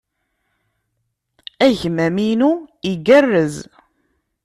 Agmam-inu igerrez.